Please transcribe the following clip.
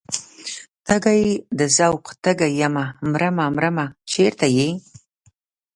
تږی د ذوق تږی یمه مرمه مرمه چرته یې؟